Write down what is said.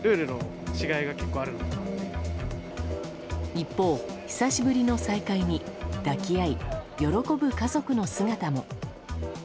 一方、久しぶりの再会に抱き合い、喜ぶ家族の姿も。